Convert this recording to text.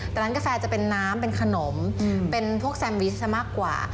แต่ร้านกาแฟจะเป็นน้ำเป็นขนมเป็นพวกแซมวิสซะมากกว่า